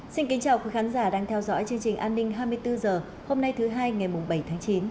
xin kính chào khán giả đang theo dõi chương trình an ninh hai mươi bốn h hôm nay thứ hai ngày bảy tháng chín